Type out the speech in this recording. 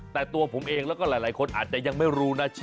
แต่ตัวผมเองแล้วก็หลายคนอาจจะยังไม่รู้นะชื่อ